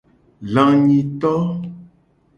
Lanyito.